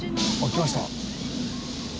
来ました。